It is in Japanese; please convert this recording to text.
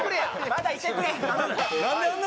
・まだいてくれ！